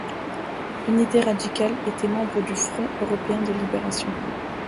Unité radicale était membre du Front européen de libération.